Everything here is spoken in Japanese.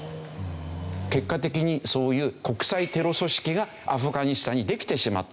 結果的にそういう国際テロ組織がアフガニスタンにできてしまった。